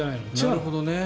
なるほどね。